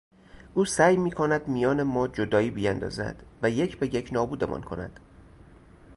او سعی میکند میان ما جدایی بیاندازد و یک به یک نابودمان کند.